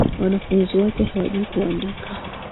Wanafunzi wake hawajui kuandika